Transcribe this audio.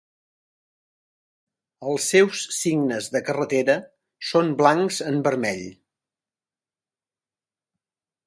Els seus signes de carretera són blancs en vermell.